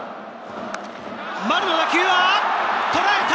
丸の打球は、とらえた！